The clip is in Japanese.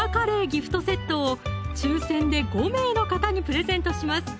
ギフトセットを抽選で５名の方にプレゼントします